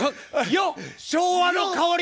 よっ昭和の香り。